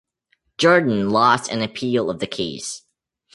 Jordan lost an appeal of the case.